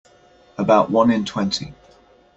About one in twenty.